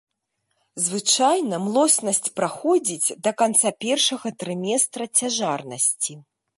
Звычайна млоснасць праходзіць да канца першага трыместра цяжарнасці.